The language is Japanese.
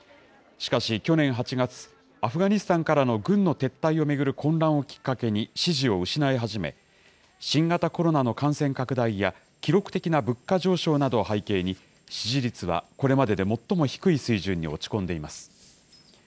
しかし去年８月、アフガニスタンからの軍の撤退を巡る混乱をきっかけに支持を失い始め、新型コロナの感染拡大や記録的な物価上昇などを背景に、支持率はこれまでで最も低い水準に落ち込んでいます。